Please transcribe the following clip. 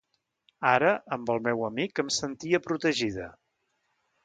Ara, amb el meu amic, em sentia protegida.